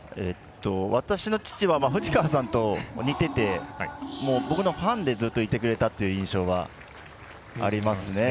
私の父は藤川さんと似てて僕のファンでずっといてくれたという印象はありますね。